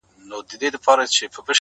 لكه ملا ـ